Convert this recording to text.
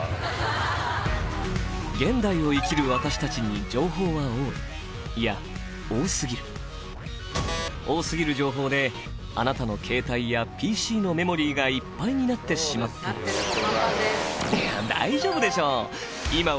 現代を生きる私たちに情報は多いいや多過ぎる多過ぎる情報であなたのケータイやＰＣのメモリーがいっぱいになってしまったらそう！